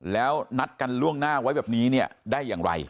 แล้วนัดกันล่วงหน้าไว้แบบนี้เนี่ยได้อย่างไร